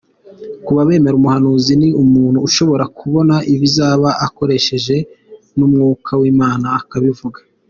Ku babemera umuhanuzi ni umuntu ushobora kubona ibizaba akoreshejwe n’umwuka w’Imana akabivuga.